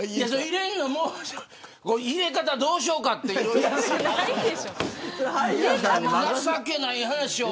入れ方どうしようかって情けない話を。